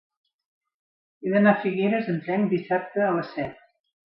He d'anar a Figueres amb tren dissabte a les set.